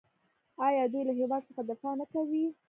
آیا دوی له هیواد څخه دفاع نه کوي؟